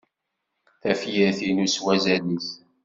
Tafyir-inu s wazal-is!